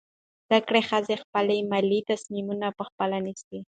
زده کړه ښځه خپل مالي تصمیمونه پخپله نیسي.